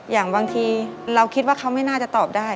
อย่างบางทีเราคิดว่าเขาไม่น่าจะตอบได้